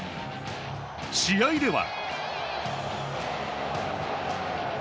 試合では。